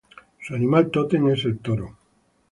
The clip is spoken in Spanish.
Su animal-totem es el toro.